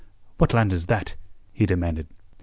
"What land is that?" he demanded.